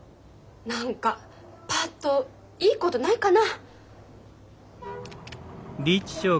何かパッといいことないかな。